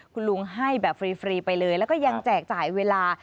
คุณลุงให้แบบฟรีไปเลยแล้วก็ยังแจกจ่ายเวลา